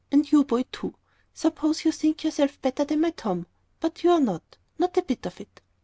"And you, boy, too; I suppose you think yourself better than my Tom. But you are not not a bit of it!"